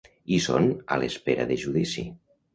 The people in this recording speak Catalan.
I són a l’espera de judici.